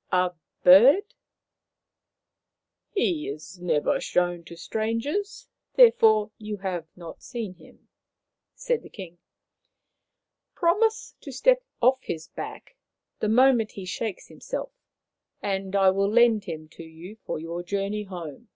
" A bird !" "He is never shown to strangers, therefore you have not seen him," said the king. " Promise to step off his back the moment he shakes him self, and I will lend him to you for your journey home."